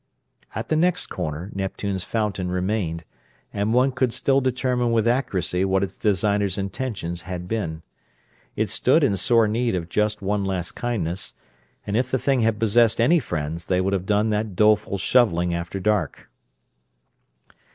At the next corner Neptune's Fountain remained, and one could still determine with accuracy what its designer's intentions had been. It stood in sore need of just one last kindness; and if the thing had possessed any friends they would have done that doleful shovelling after dark.